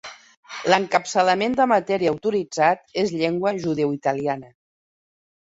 L'encapçalament de matèria autoritzat és "llengua judeoitaliana".